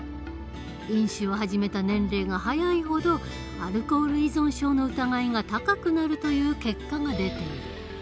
飲酒を始めた年齢が早いほどアルコール依存症の疑いが高くなるという結果が出ている。